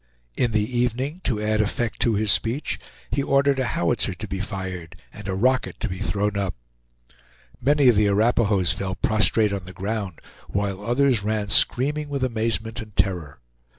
In the evening, to add effect to his speech, he ordered a howitzer to be fired and a rocket to be thrown up. Many of the Arapahoes fell prostrate on the ground, while others ran screaming with amazement and terror.